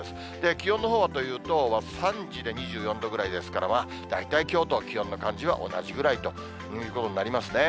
気温のほうはというと、３時で２４度ぐらいですから、大体きょうと気温の感じは同じぐらいということになりますね。